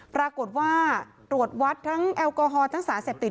ปรากฏว่าตรวจวัดทั้งแอลกอฮอล์ทั้งสารเสพติด